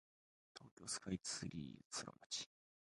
東京スカイツリーソラマチ